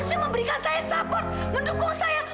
mas harusnya memberikan saya support mendukung saya